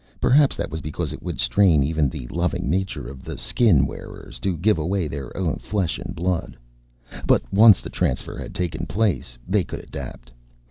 Perhaps that was because it would strain even the loving nature of the Skin wearers to give away their own flesh and blood. But once the transfer had taken place, they could adapt.